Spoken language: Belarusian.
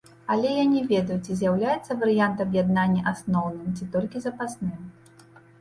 Але я не ведаю, ці з'яўляецца варыянт аб'яднання асноўным, ці толькі запасным.